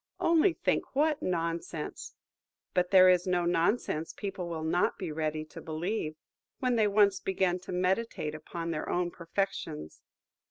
Only think what nonsense! But there is no nonsense people will not be ready to believe, when they once begin to meditate upon their own perfections.